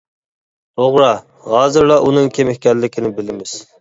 توغرا، ھازىرلا ئۇنىڭ كىم ئىكەنلىكىنى بىلىمىز.